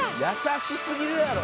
「優しすぎるやろ！」